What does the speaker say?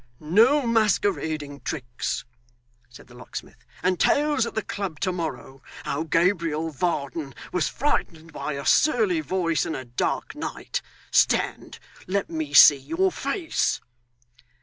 'No masquerading tricks,' said the locksmith, 'and tales at the club to morrow, how Gabriel Varden was frightened by a surly voice and a dark night. Stand let me see your face.